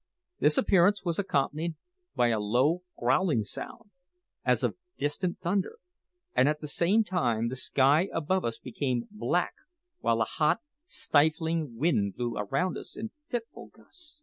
This appearance was accompanied by a low growling sound, as of distant thunder, and at the same time the sky above us became black, while a hot, stifling wind blew around us in fitful gusts.